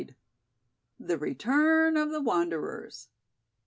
THE RETURN OF THE WANDERERS.